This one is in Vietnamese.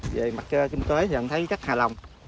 về mặt kinh tế thì em thấy rất hài lòng